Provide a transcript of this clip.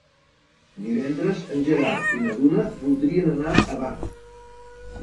Divendres en Gerard i na Duna voldrien anar a Barx.